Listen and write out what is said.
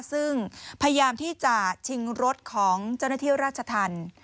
ซึ่งพยายามที่จะชิงรถของเจ้าหน้าที่ราชธรรม